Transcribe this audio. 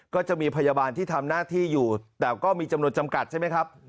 ก็จะมีพยาบาลที่ทำหน้าที่อยู่แต่ก็มีจำนวนจำกัดใช่ไหมครับ